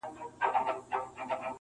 خر په پوه سو چي لېوه ووغولولی -